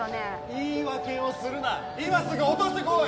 言い訳をするな今すぐ落としてこい！